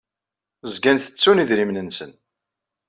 Zgan ttettun idrimen-nsen.